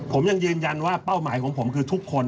ผมยังยืนยันว่าเป้าหมายของผมคือทุกคน